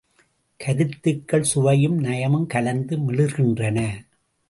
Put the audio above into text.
கருத்துகள் சுவையும், நயமும் கலந்து மிளிர்கின்றன.